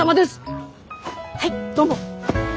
はいどうも！